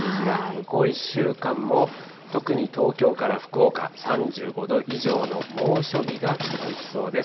向こう１週間も特に東京から福岡、３５度以上の猛暑日が続きそうです。